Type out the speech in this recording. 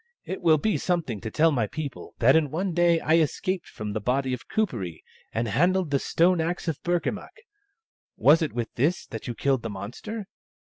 " It will be something to tell my people, that in the one day I escaped from the body of Kuperee and handled the stone axe of Burkamukk ! Was it with this that you killed the monster